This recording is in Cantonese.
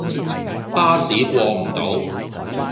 巴士過唔到